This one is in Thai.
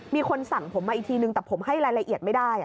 มีคนสั่งผมมาอีกทีนึงแต่ผมให้รายละเอียดไม่ได้